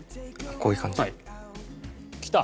こういう感じ？きた！